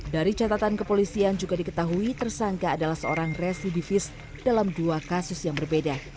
dari catatan kepolisian juga diketahui tersangka adalah seorang residivis dalam dua kasus yang berbeda